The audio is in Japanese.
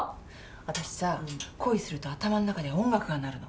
わたしさ恋すると頭ん中で音楽が鳴るの。